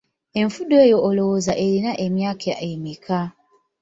Enfudu eyo olowooza erina emyaka emeka?